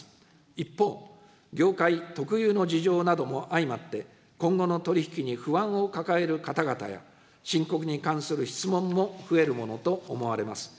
一方、業界特有の事情なども相まって、今後の取り引きに不安を抱える方々や、申告に関する質問も増えるものと思われます。